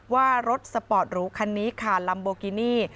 ว่ารถสปอร์ตหรูคันนี้ค่ะลัมโบกินี่